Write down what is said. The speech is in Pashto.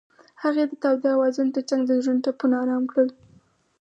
هغې د تاوده اوازونو ترڅنګ د زړونو ټپونه آرام کړل.